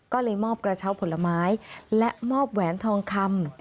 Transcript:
ก็เลยมอบกระเช้าผลไม้และมอบแหวนทองคำ